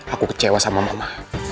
aku kecewa sama mama